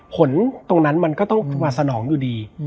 ผลตรงนั้นมันก็ต้องมาสนองอยู่ดี